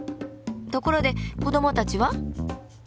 ところで子どもたちは？